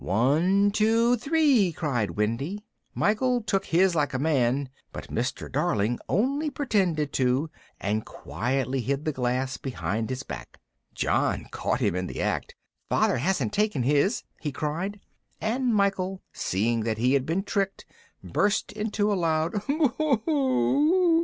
"One, two, three," cried Wendy; Michael took his like a man, but Mr. Darling only pretended to, and quietly hid the glass behind his back. John caught him in the act: "Father hasn't taken his!" he cried, and Michael, seeing that he had been tricked, burst into a loud "Boo hoo oo!"